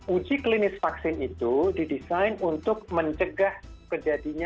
uji klinis vaksin itu didesain untuk mencegah kejadinya